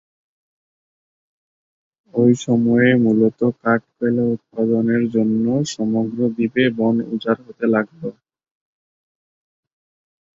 ওই সময়ে মূলত কাঠ-কয়লা উৎপাদনের জন্য সমগ্র দ্বীপে বন-উজাড় হতে লাগল।